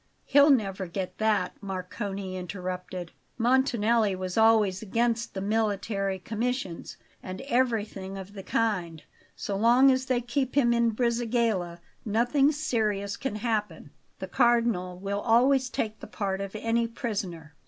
"He'll never get that," Marcone interrupted. "Montanelli was always against the military commissions, and everything of the kind. So long as they keep him in Brisighella nothing serious can happen; the Cardinal will always take the part of any prisoner.